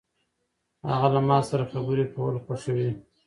هغه له ما سره خبرې کول خوښوي.